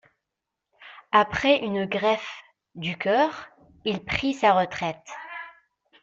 Après une greffe du cœur, il prit sa retraite.